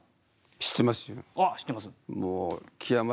知ってますよ。